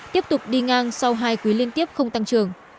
tiếp tục đi ngang sau hai quý liên tiếp không tăng trưởng